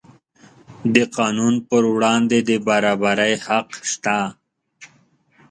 د قانون پر وړاندې د برابرۍ حق شته.